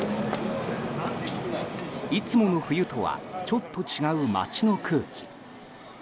いつもの冬とはちょっと違う街の空気。